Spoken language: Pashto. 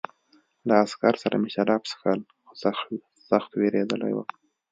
له عسکر سره مې شراب څښل خو سخت وېرېدلی وم